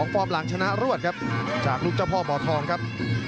ฟอร์มหลังชนะรวดครับจากลูกเจ้าพ่อหมอทองครับ